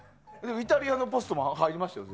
イタリアのポストマン入りましたよ。